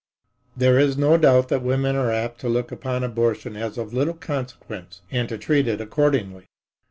There is no doubt that women are apt to look upon abortion as of little consequence and to treat it accordingly.